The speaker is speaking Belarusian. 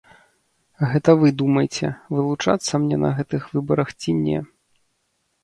Гэта вы думайце, вылучацца мне на гэтых выбарах ці не.